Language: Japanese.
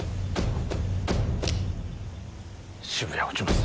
渋谷を撃ちます